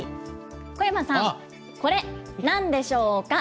小山さん、これなんでしょうか？